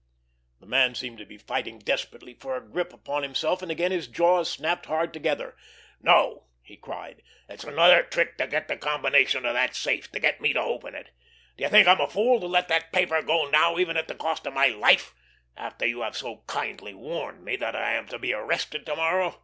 The man seemed to be fighting desperately for a grip upon himself, and again his jaws snapped hard together. "No!" he cried. "It's another trick to get the combination of that safe, to get me to open it! Do you think I'm a fool to let that paper go now, even at the cost of my life, after you have so kindly warned me that I am to be arrested to morrow?